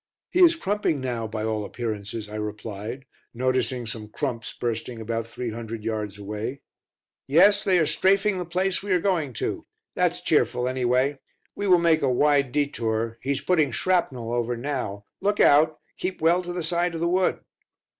"He is crumping now by all appearances," I replied, noticing some crumps bursting about three hundred yards away. "Yes, they are 'strafing' the place we are going to! That's cheerful, anyway. We will make a wide detour; he's putting shrapnel over now. Look out! Keep well to the side of the wood."